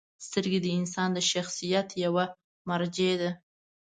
• سترګې د انسان د شخصیت یوه مرجع ده.